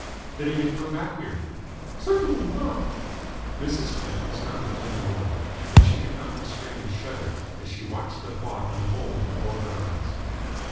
"That he may come back here?" "Certainly not." Mrs. Pett was not a timid woman, but she could not restrain a shudder as she watched the plot unfold before her eyes.